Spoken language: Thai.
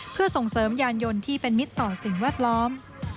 เพื่อส่งเสริมยานยนต์ที่เป็นมิตรต่อสิ่งแวดล้อม